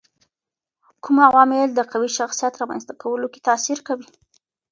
کوم عوامل د قوي شخصيت رامنځته کولو کي تاثیر کوي؟